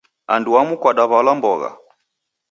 Anduamu kudaw'alwa mbogha